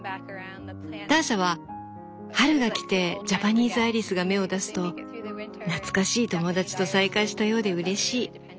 ターシャは「春が来てジャパニーズアイリスが芽を出すと懐かしい友達と再会したようでうれしい」